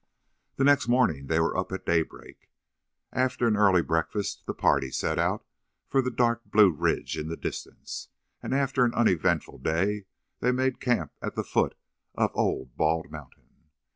The next morning they were up at daylight. After an early breakfast the party set out for the dark blue ridge in the distance, and after an uneventful day they made camp at the foot of Old Bald Mountain.